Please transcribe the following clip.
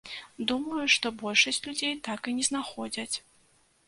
Думаю, што большасць людзей так і не знаходзяць.